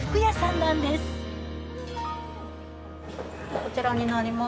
こちらになります。